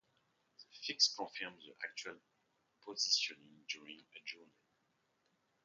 The fix confirms the actual position during a journey.